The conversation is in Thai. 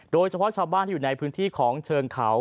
โดยเฉพาะชาวบ้านที่อยู่ในพื้นที่ของเชิงเขา